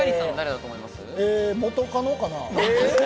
元カノかな？